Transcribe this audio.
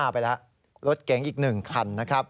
เป็นรถแกงอีก๑คัน